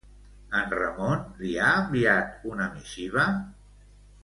En Ramon li ha enviat una missiva?